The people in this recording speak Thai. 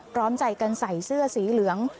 พร้อมใจกันใส่เสื้อสีเหลือง